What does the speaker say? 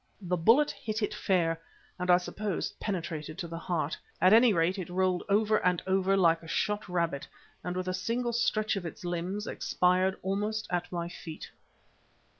The bullet hit it fair, and I suppose penetrated to the heart. At any rate, it rolled over and over like a shot rabbit, and with a single stretch of its limbs, expired almost at my feet.